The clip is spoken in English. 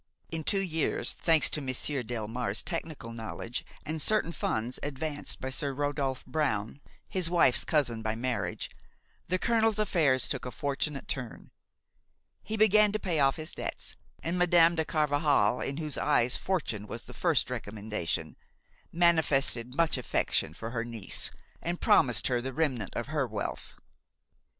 In two years, thanks to Monsieur Delmare's technical knowledge and certain funds advanced by Sir Rodolphe Brown, his wife's cousin by marriage, the colonel's affairs took a fortunate turn; he began to pay off his debts, and Madame de Carvajal, in whose eyes fortune was the first recommendation, manifested much affection for her niece and promised her the remnant of her wealth.